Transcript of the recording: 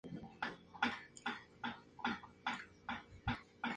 Ya no se utilizan.